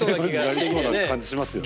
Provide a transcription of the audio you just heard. なれそうな感じしますよね。